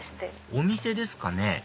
お店ですかね？